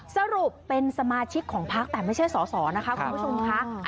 สรุปเป็นสมาชิกของพักแต่ไม่ใช่สอสอนะคะคุณผู้ชมค่ะ